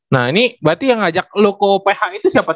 nah ini berarti yang ngajak lu ke uph itu siapa